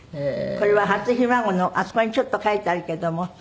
これは初ひ孫のあそこにちょっと書いてあるけども。